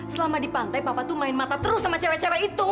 selama di pantai papa tuh main mata terus sama cewek cewek itu